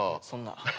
そんな。